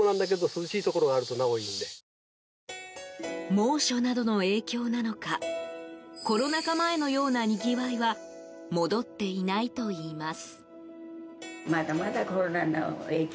猛暑などの影響なのかコロナ禍前のようなにぎわいは戻っていないといいます。